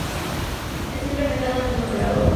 Está implementado en el controlador.